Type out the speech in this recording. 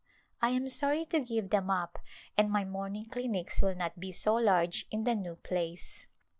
I am sorry to give them up and my morning clinics will not be so large in the new place.